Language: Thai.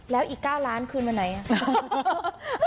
แล้วอีก๙ล้านคืนวันไหนอ่ะ